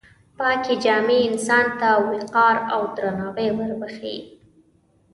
پاکې جامې انسان ته وقار او درناوی وربښي.